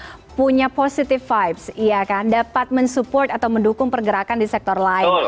sebenarnya punya positive vibes ya kan dapat mensupport atau mendukung pergerakan di sektor lain